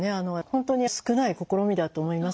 本当に少ない試みだと思います。